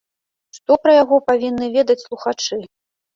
Што пра яго павінны ведаць слухачы?